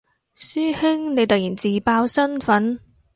師兄你突然自爆身份